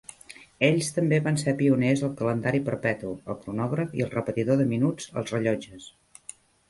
Els també van ser pioners al calendari perpetu, el cronògraf i el repetidor de minuts als rellotges.